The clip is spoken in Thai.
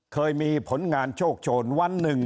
เคยมีผลงานโชคโชนวันหนึ่ง